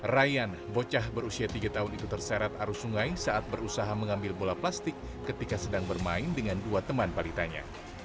ryan bocah berusia tiga tahun itu terseret arus sungai saat berusaha mengambil bola plastik ketika sedang bermain dengan dua teman balitanya